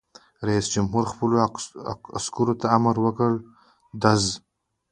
رئیس جمهور خپلو عسکرو ته امر وکړ؛ ډز!